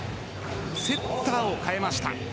セッターを代えました。